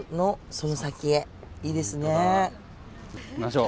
行きましょう。